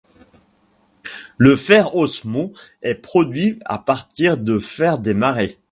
Le fer osmond est produit à partir de fer des marais.